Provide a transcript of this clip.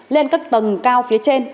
lên các tầng cao phía trên